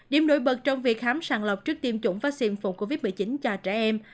điểm nổi bật trong việc khám sàng lọc trước tiêm chủng vaccine phòng covid một mươi chín cho trẻ em